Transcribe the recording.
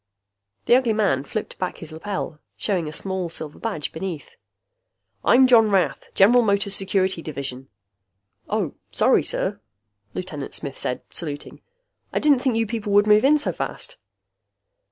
The ugly man flipped back his lapel, showing a small silver badge beneath. "I'm John Rath, General Motors Security Division." "Oh ... Sorry, sir," Lieutenant Smith said, saluting. "I didn't think you people would move in so fast."